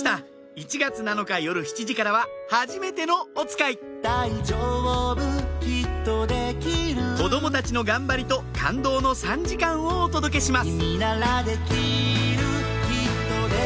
１月７日夜７時からは『はじめてのおつかい』子供たちの頑張りと感動の３時間をお届けします